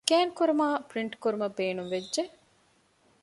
ސްކޭން ކުރުމާއި ޕްރިންޓް ކުރުމަށް ބޭނުންވެއްޖެ